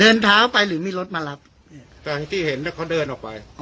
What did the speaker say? เดินเท้าไปหรือมีรถมารับตอนที่เห็นแล้วเขาเดินออกไป